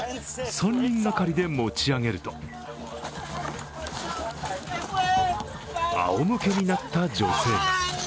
３人がかりで持ち上げるとあおむけになった女性。